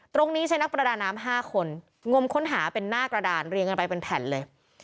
ตรงนี้ใช้นักประดาน้ำ๕คนงมค้นหาเป็นหน้ากระดานเรียงกันไปเป็นแผ่นเลย